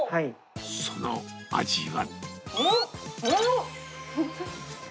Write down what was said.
その味は？